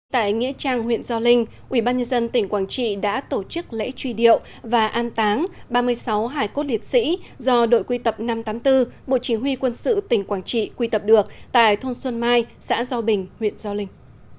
tại nghĩa trang huyện gio linh ubnd tỉnh quảng trị đã tổ chức lễ truy điệu và an táng ba mươi sáu hải cốt liệt sĩ do đội quy tập năm trăm tám mươi bốn bộ chỉ huy quân sự tỉnh quảng trị quy tập được tại thôn xuân mai xã do bình huyện gio linh